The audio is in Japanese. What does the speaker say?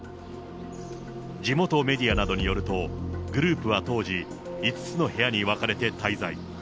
地元メディアなどによると、グループは当時、５つの部屋に分かれて滞在。